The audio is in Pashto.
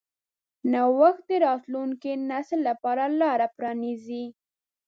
نوښت د راتلونکي نسل لپاره لاره پرانیځي.